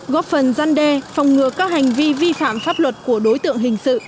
góp phần gian đe phòng ngừa các hành vi vi phạm pháp luật của đối tượng hình sự